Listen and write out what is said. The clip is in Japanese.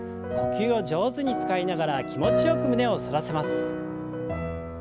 呼吸を上手に使いながら気持ちよく胸を反らせます。